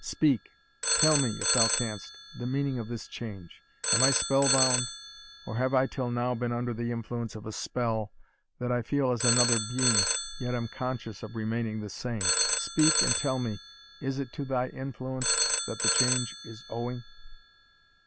Speak tell me, if thou canst, the meaning of this change? Am I spell bound? or have I till now been under the influence of a spell, that I feel as another being, yet am conscious of remaining the same? Speak and tell me, is it to thy influence that the change is owing?"